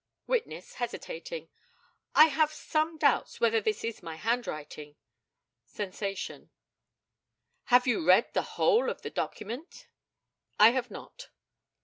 Witness (hesitating): I have some doubts whether this is my handwriting [sensation]. Have you read the whole of the document? I have not.